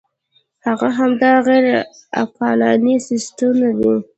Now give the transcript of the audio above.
هغه همدا غیر عقلاني سیاستونه دي.